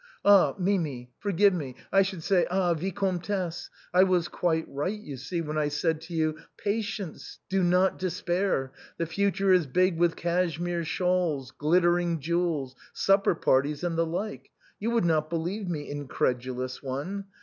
"Ah, Mimi ! Forgive me — I should say, ah, vicomtesse ! I was quite right, you see, when I said to you :' Patience, do not despair, the future is big with cashmere shawls, glit tering jewels, supper parties, and the like.' You would not believe me, incredulous one.